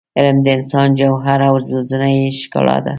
علم د انسان جوهر او روزنه یې ښکلا ده.